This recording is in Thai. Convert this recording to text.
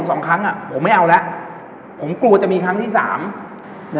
สองครั้งอ่ะผมไม่เอาแล้วผมกลัวจะมีครั้งที่สามนะ